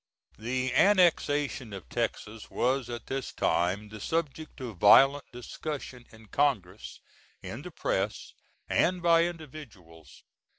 The annexation of Texas was at this time the subject of violent discussion in Congress, in the press, and by individuals.